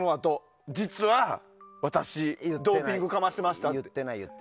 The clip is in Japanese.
実は私ドーピングかましてましたって。